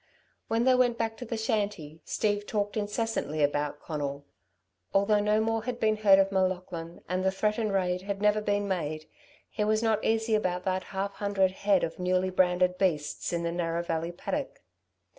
When they went back to the shanty Steve talked incessantly about Conal. Although no more had been heard of M'Laughlin and the threatened raid had never been made, he was not easy about that half hundred head of newly branded beasts in the Narrow Valley paddock.